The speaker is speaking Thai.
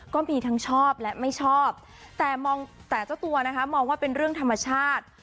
ก็มีทั้งชอบและไม่ชอบแต่มองแต่เจ้าตัวนะคะมองว่าเป็นเรื่องธรรมชาติ